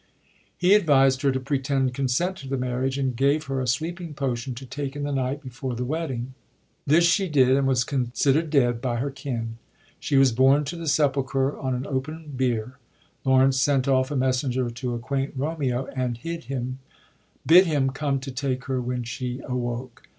He advised her to pretend consent to the marriage, and gave her a sleeping potion to take in the night before the wedding. This she did, and was considerd dead by her kin. She was borne to the sepulchre on an open bier. Laurence sent off a messenger to acquaint Romeo, and bid him come to take her when she awoke.